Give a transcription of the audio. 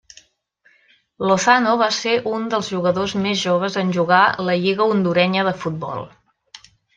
Lozano va ser un dels jugadors més joves en jugar la Lliga hondurenya de futbol.